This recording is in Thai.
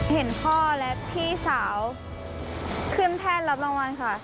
เห็นพ่อและพี่สาวขึ้นแท่นรับรางวัลค่ะ